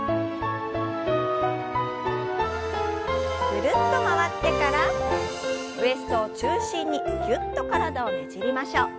ぐるっと回ってからウエストを中心にぎゅっと体をねじりましょう。